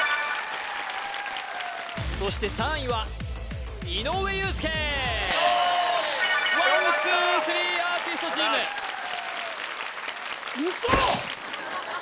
そして３位は井上裕介ワンツースリーアーティストチーム嘘！？